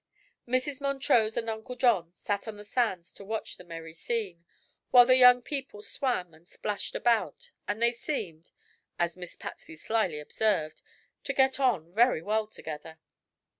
Mrs. Montrose and Uncle John sat on the sands to watch the merry scene, while the young people swam and splashed about, and they seemed as Miss Patsy slyly observed to "get on very well together."